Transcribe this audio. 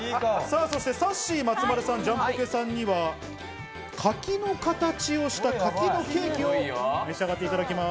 さっしー、松丸さん、ジャンポケさんには柿の形をした柿のケーキを召し上がっていただきます。